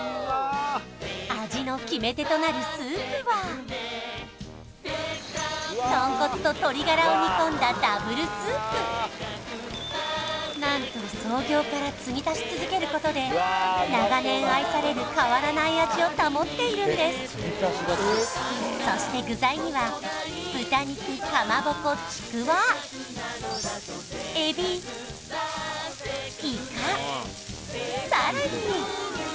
味の決め手となるスープは豚骨と鶏ガラを煮込んだダブルスープ何と創業から継ぎ足し続けることで長年愛される変わらない味を保っているんですそして具材には豚肉かまぼこちくわエビイカさらに！